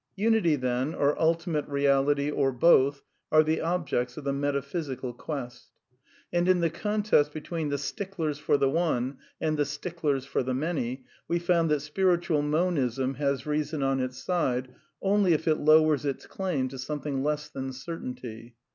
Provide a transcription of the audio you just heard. Unity, then, or Ultimate Keality, or both, are the ob jects of the metaphysical quest. And in the contest be tween the sticklers for the One and the sticklers for the Many, we found that Spiritual Monism has reason on its side only if it lowers its claim to something less than cer tainty.